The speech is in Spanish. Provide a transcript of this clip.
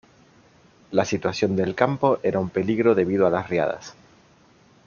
La situación del campo, era un peligro debido a las riadas.